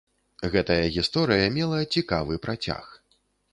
Гэтая гісторыя мела цікавы працяг.